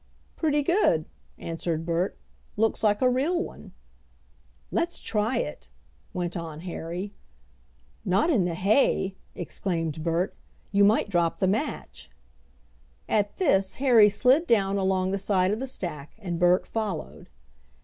"Pretty good," answered Bert; "looks like a real one." "Let's try it!" went on Harry. "Not in the hay," exclaimed Bert; "you might drop the match." At this Harry slid down along the side of the stack, and Bert followed.